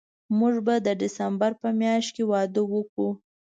موږ به د ډسمبر په میاشت کې واده وکړو